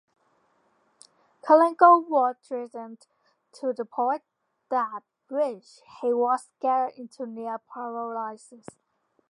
Kalingo was threatened to the point at which he was scared into near-paralysis.